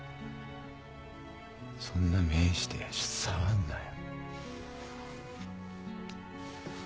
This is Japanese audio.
そんな目して触んなよ。